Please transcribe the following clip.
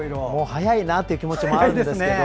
早いなという気持ちもあるんですけど